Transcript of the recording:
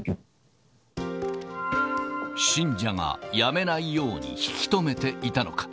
信者がやめないように引き止めていたのか。